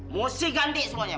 mesti ganti semuanya